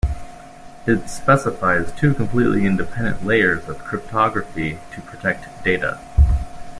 It specifies two completely independent layers of cryptography to protect data.